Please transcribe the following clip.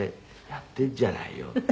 「やってるじゃない」って。